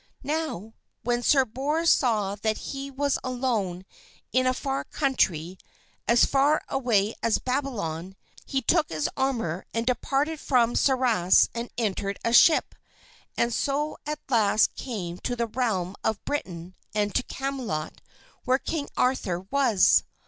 Now, when Sir Bors saw that he was alone in a far country, as far away as Babylon, he took his armor and departed from Sarras and entered a ship, and so at last came to the realm of Britain and to Camelot where King Arthur was.